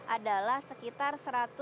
adalah sekitar satu ratus tujuh puluh enam